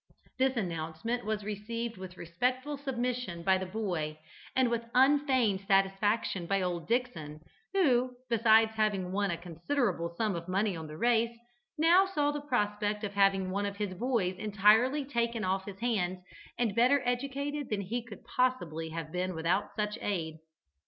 This announcement was received with respectful submission by the boy, and with unfeigned satisfaction by old Dickson, who, besides having won a considerable sum of money on the race, now saw the prospect of having one of his boys entirely taken off his hands and better educated than he could possibly have been without such aid.